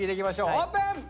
オープン！